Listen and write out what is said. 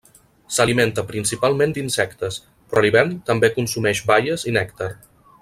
S'alimenta principalment d'insectes, però a l'hivern també consumeix baies i nèctar.